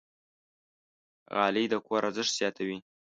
غالۍ د کور ارزښت زیاتوي.